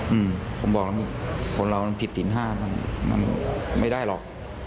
อืมผมบอกคุณคุณของเรานักผิดสินห้าไม่ได้หรอก